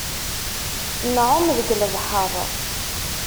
Nεumm deg lebḥer.